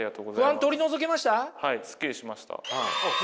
ああすっきりしました？